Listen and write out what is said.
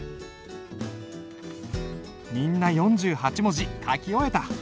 みんな４８文字書き終えた。